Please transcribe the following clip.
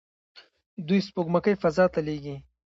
دوی سپوږمکۍ فضا ته لیږلي.